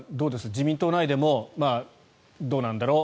自民党内でもどうなんだろう？